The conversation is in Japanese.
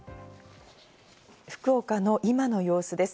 福岡の今の様子です。